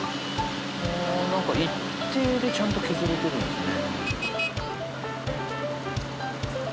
なんか一定でちゃんと削れてるんですね。